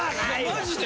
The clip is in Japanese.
マジで。